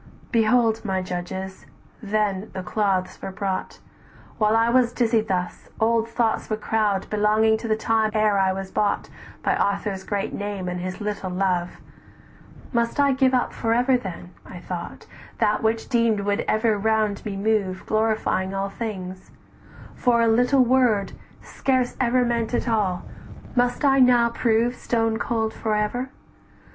Behold, my judges, then the cloths were brought; While I was dizzied thus, old thoughts would crowd "Belonging to the time ere I was bought By Arthur's great name and his little love; Must I give up for ever then, I thought, "That which I deemed would ever round me move, Glorifying all things; for a little word, Scarce ever meant at all, must I now prove "Stone cold for ever?